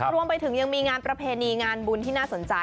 รวมไปถึงยังมีงานประเพณีงานบุญที่น่าสนใจ